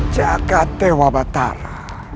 jaga tewa batara